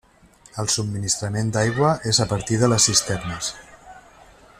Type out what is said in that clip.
El subministrament d'aigua és a partir de les cisternes.